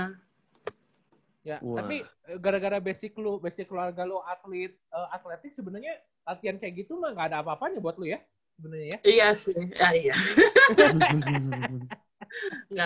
tapi gara gara basic lu basic keluarga lu atlet atletnya sebenarnya latihan kayak gitu mah nggak ada apa apanya buat lu ya